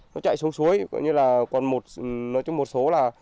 nó chạy xuống suối còn một số